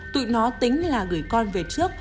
tụi nó tính là gửi con về trước